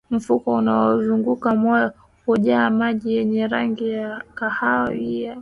Mfuko unaozunguka moyo kujaa maji yenye rangi ya kahawia